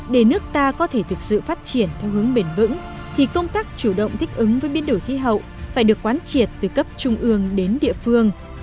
để nước ta có thể thực sự phát triển theo hướng bền vững thì công tác chủ động thích ứng với biến đổi khí hậu phải được quán triệt từ cấp trung ương đến địa phương